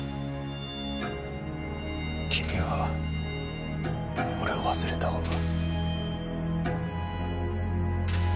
君は俺を忘れた方が。